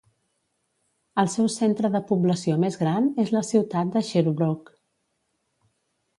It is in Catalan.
El seu centre de població més gran és la ciutat de Sherbrooke.